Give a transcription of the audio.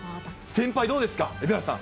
先輩どうですか、蛯原さん。